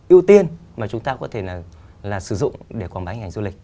ưu tiên mà chúng ta có thể là sử dụng để quảng bá hình ảnh du lịch